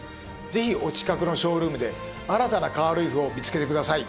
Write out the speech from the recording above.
ぜひお近くのショールームで新たなカーライフを見つけてください。